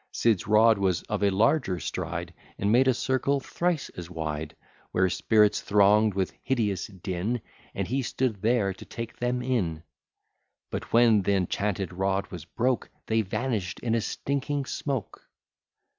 Sid's rod was of a larger stride, And made a circle thrice as wide, Where spirits throng'd with hideous din, And he stood there to take them in; But when th'enchanted rod was broke, They vanish'd in a stinking smoke.